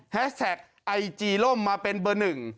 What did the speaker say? แท็กไอจีล่มมาเป็นเบอร์หนึ่ง